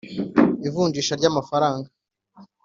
ivunjisha ry amafaranga